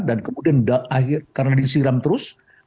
dan kemudian karena disiram terus